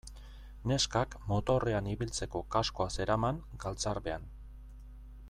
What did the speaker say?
Neskak motorrean ibiltzeko kaskoa zeraman galtzarbean.